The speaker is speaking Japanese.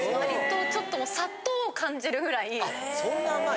そんな甘いの？